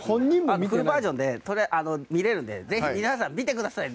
フルバージョンで見られるので皆さん、見てくださいね。